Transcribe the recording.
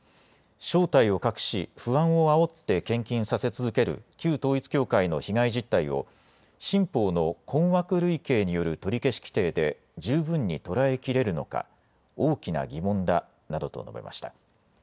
正体を隠し、不安をあおって献金させ続ける旧統一教会の被害実態を新法の困惑類型による取消規定で十分に捉えきれるのか大きな疑問だなどと述べました。